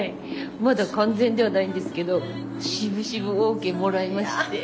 まだ完全ではないんですけどしぶしぶＯＫもらいまして。